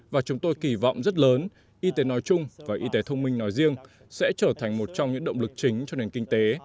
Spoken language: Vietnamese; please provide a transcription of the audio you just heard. và chúng tôi kỳ vọng rất lớn y tế nói chung và y tế thông minh nói riêng sẽ trở thành một trong những động lực chính cho nền kinh tế